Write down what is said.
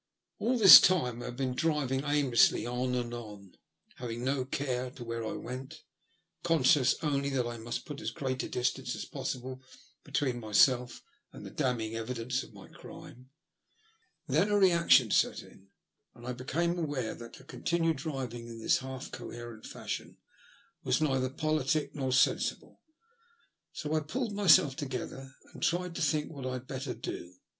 All this time I had been driving aimlessly on and on, having no care where I went, conscious only that I must put as great a distance as possible between myself and the damning evidence of my crime. Then a reaction set in, and I became aware that to continue driving in this half coherent fashion was neither politic nor sensible, so I pulled myself together and tried to think what I had better do.